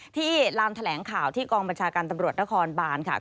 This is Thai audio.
ลานแถลงข่าวที่กองบัญชาการตำรวจนครบานค่ะ